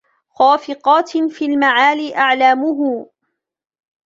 خافقاتٍ في المعالي أعلامهُ